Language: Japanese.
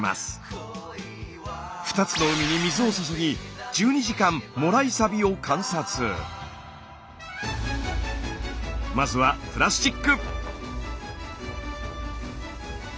２つの海に水を注ぎ１２時間まずはプラスチック。